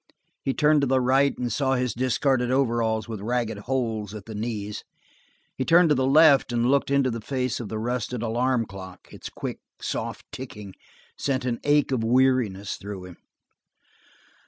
He turned to the right and saw his discarded overalls with ragged holes at the knees; he turned to the left and looked into the face of the rusted alarm clock. Its quick, soft ticking sent an ache of weariness through him.